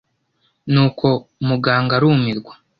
ni uko muganga arumirwa.